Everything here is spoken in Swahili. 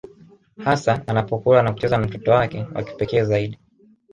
Hasa anapokula na kucheza na mtoto wake wa kipekee zaidi